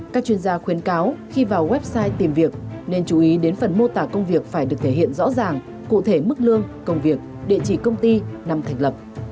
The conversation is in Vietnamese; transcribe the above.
các chuyên gia khuyến cáo khi vào website tìm việc nên chú ý đến phần mô tả công việc phải được thể hiện rõ ràng cụ thể mức lương công việc địa chỉ công ty năm thành lập